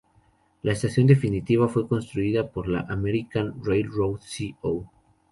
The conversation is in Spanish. La estación definitiva fue construida por la "American Railroad Co.